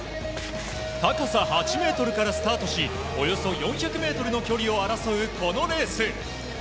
高さ８ｍからスタートしおよそ４００ｍの距離を争うこのレース。